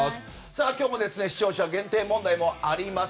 今日も視聴者限定問題もあります。